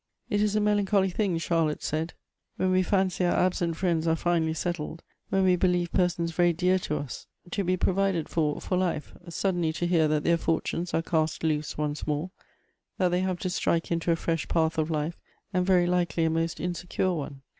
" It is a melancholy thing," Charlotte said, " when we 86 Goethe's fancy our absent fi iends are finally settled, when we be lieve persons very dear to us to be provided for for life, suddenly to hear that their fortunes are cast loose once more ; that they have to strike into a fresh path of life, and very likely a most insecure one."